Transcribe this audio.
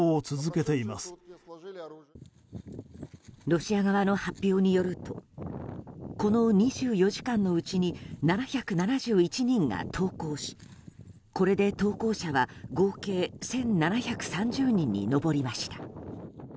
ロシア側の発表によるとこの２４時間のうちに７７１人が投降しこれで投降者は合計１７３０人に上りました。